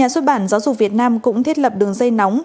nhà xuất bản giáo dục việt nam cũng thiết lập đường dây nóng